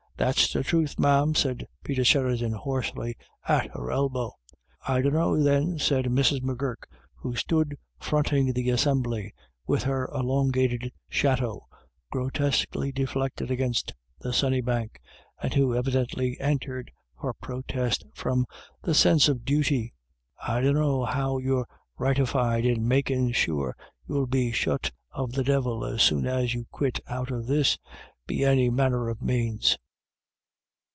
" That's the truth, ma'am," said Peter Sheridan, hoarsely, at her elbow. " I dunno, then," said Mrs. M'Gurk, who stood fronting the assembly, with her elongated shadow grotesquely deflected against the sunny bank, and who evidently entered her protest from a sense of BACKWARDS AND FORWARDS. 255 duty, " I dunno how you're rightified in makin' sure you'll be shut of the Divil as soon as you quit out of this, be any manner of manes.